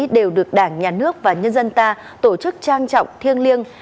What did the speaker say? đều được đảng nhà nước và nhân dân ta tổ chức trang trọng thiêng liêng